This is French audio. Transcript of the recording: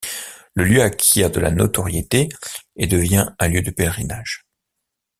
Le lieu acquiert de la notoriété et devient un lieu de pèlerinage.